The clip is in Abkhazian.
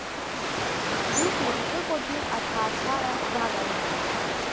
Дук мырҵыкәагьы аҭаацәара далалеит.